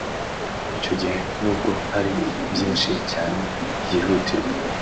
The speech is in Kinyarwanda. Icyo gihe n’ubwo hari byinshi cyane byihutirwaga